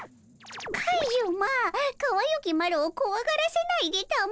カジュマかわゆきマロをこわがらせないでたも。